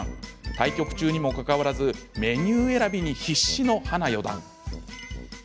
対局中にもかかわらずメニュー選びに必死の花四段。